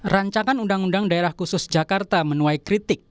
rancangan undang undang daerah khusus jakarta menuai kritik